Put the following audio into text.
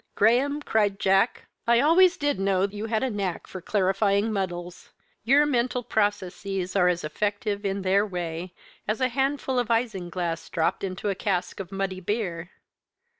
Graham," cried Jack, "I always did know you had a knack of clarifying muddles. Your mental processes are as effective, in their way, as a handful of isinglass dropped into a cask of muddy beer.